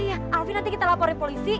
iya alvin nanti kita laporin polisi